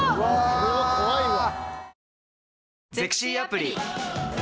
これは怖いわ。